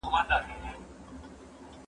زه له سهاره سیر کوم!.